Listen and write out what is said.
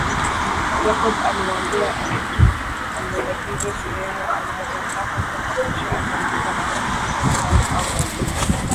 Jacob alimwambia anatakiwa amuelekeze sehemu anazotaka kwenda kisha atamlipa na kumrudisha nyumbani au kazini